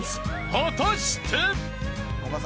果たして？］